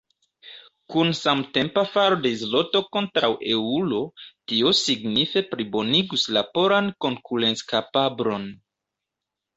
Kun samtempa falo de zloto kontraŭ eŭro, tio signife plibonigus la polan konkurenckapablon.